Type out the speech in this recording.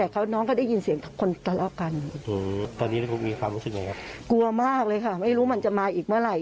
กลัวมากเลยค่ะไม่รู้มันจะมาอีกเมื่อไหร่